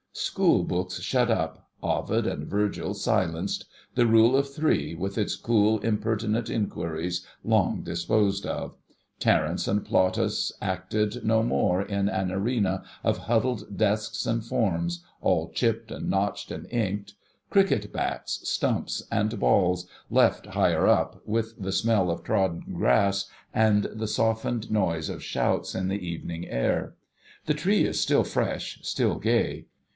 School books shut up ; Ovid and Virgil silenced ; the Rule of Three, with its cool impertinent inquiries, long disposed of; Terence and Plautus acted no more, in an arena of huddled desks and forms, all chipped, and notched, and inked ; cricket bats, stumps, and balls, left higher up, with the smell of trodden grass and the softened noise of shouts in the evening air ; the tree is still fresh, still gay.